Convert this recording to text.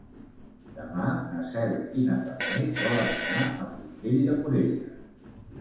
Demà na Cel i na Farners volen anar a Portell de Morella.